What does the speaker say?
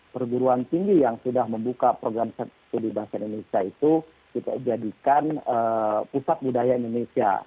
perguruan tinggi yang sudah membuka program studi bangsa indonesia itu kita jadikan pusat budaya indonesia